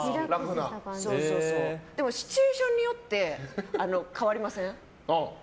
でもシチュエーションによって変わりません？